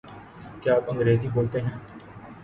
کیا آپ انگریزی بولتے ہیں؟